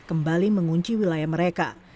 kembali mengunci wilayah mereka